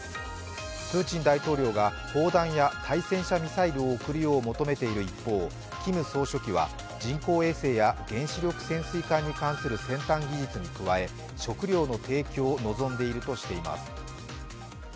プーチン大統領が砲弾や対戦車ミサイルを送るよう求めている一方、キム総書記は人工衛星や原子力潜水艦に関する先端技術に加え食料の提供を望んでいるとしています。